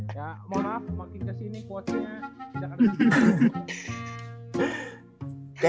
ya mohon maaf makin kesini quotesnya tidak ada di google